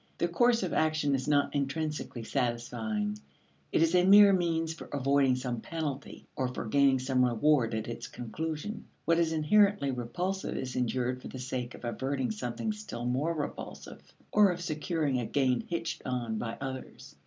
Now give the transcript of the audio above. The course of action is not intrinsically satisfying; it is a mere means for avoiding some penalty, or for gaining some reward at its conclusion. What is inherently repulsive is endured for the sake of averting something still more repulsive or of securing a gain hitched on by others.